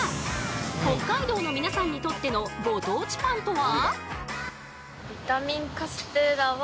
北海道の皆さんにとってのご当地パンとは？